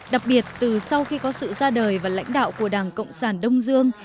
đặc biệt từ sau khi có sự ra đời và lãnh đạo của đảng cộng sản đông dương